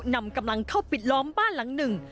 นำกำลังเข้าปิดล้อมบ้านหลังหนึ่ง